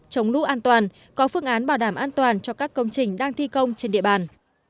chống lũ an toàn có phương án bảo đảm an toàn cho các công trình đang thi công trên địa bàn